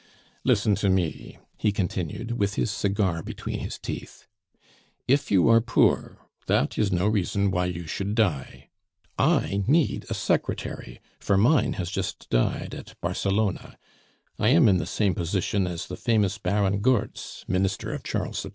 "Listen to me," he continued, with his cigar between his teeth; "if you are poor, that is no reason why you should die. I need a secretary, for mine has just died at Barcelona. I am in the same position as the famous Baron Goertz, minister of Charles XII.